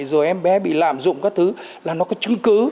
rồi em bé bị lạm dụng các thứ là nó có chứng cứ